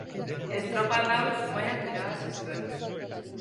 Estropada hau Zumaiak irabazi zuen.